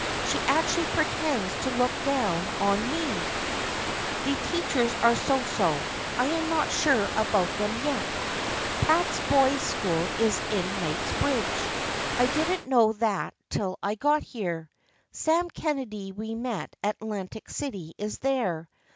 She actually pretends to look down on me ! The teachers are so so. I am not sure about them yet. Pratt's boys' school is in Kingsbridge. I didn't know that till I got here. Sam Kennedy we met at Atlantic City is there.